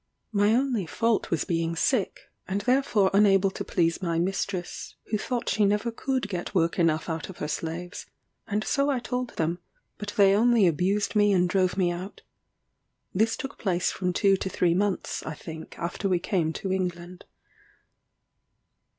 My only fault was being sick, and therefore unable to please my mistress, who thought she never could get work enough out of her slaves; and I told them so: but they only abused me and drove me out. This took place from two to three months, I think, after we came to England.